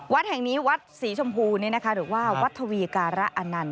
วัดแห่งนี้วัดศรีชมพูหรือว่าวัดทวีการะอนันต